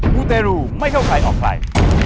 มูเตรูไม่เข้าใครออกใคร